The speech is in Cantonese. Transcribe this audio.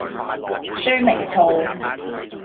書名號